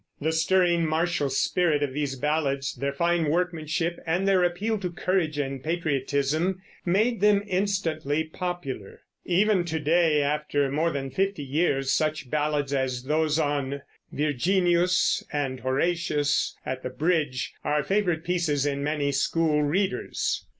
The stirring martial spirit of these ballads, their fine workmanship, and their appeal to courage and patriotism made them instantly popular. Even to day, after more than fifty years, such ballads as those on Virginius and Horatius at the Bridge are favorite pieces in many school readers.